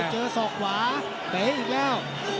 เจอส่วงสองขวาเด๊อร์อีกแล้ว